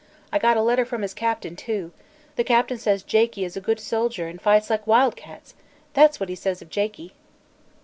I got a letter from his captain, too. The captain says Jakie is a good soldier and fights like wild cats. That's what he says of Jakie!"